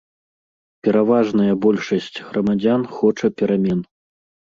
Пераважная большасць грамадзян хоча перамен.